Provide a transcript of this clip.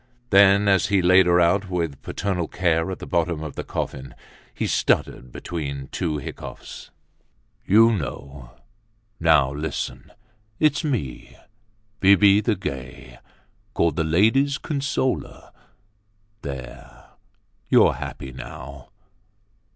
Then, as he laid her out with paternal care at the bottom of the coffin, he stuttered between two hiccoughs: "You know—now listen—it's me, Bibi the Gay, called the ladies' consoler. There, you're happy now.